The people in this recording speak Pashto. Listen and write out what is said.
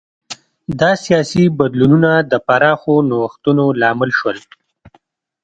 دا سیاسي بدلونونه د پراخو نوښتونو لامل شول.